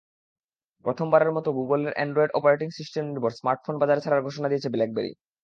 প্রথমবারের মতো গুগলের অ্যান্ড্রয়েড অপারেটিং সিস্টেমনির্ভর স্মার্টফোন বাজারে ছাড়ার ঘোষণা দিয়েছে ব্ল্যাকবেরি।